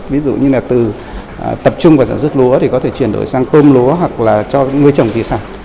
ví dụ như là từ tập trung vào sản xuất lúa thì có thể chuyển đổi sang cơm lúa hoặc là cho người trồng thì sao